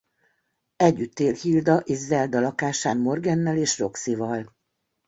Együtt él Hilda és Zelda lakásán Morgannal és Roxie-val.